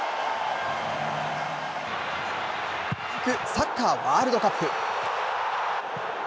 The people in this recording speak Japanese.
サッカーワールドカップ。